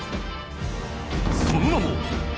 その名も、魁！！